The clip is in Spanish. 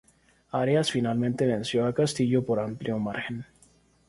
Arias finalmente venció a Castillo por amplio margen.